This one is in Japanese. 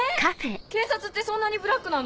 警察ってそんなにブラックなの？